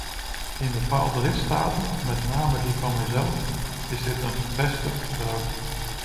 In bepaalde lidstaten, met name die van mijzelf, is dit een gevestigd gebruik.